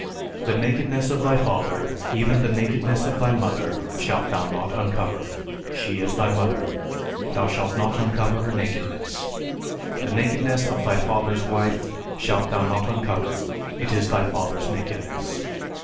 The nakedness of thy father, even the nakedness of thy mother, shalt thou not uncover; she is thy mother; thou shalt not uncover her nakedness. The nakedness of thy father's wife shalt thou not uncover; it is thy father's nakedness.